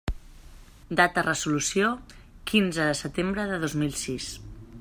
Data resolució: quinze de setembre de dos mil sis.